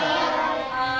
はい。